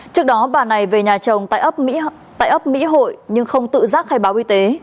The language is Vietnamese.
trước đó bà này về nhà chồng tại ấp mỹ hội nhưng không tự giác hay báo y tế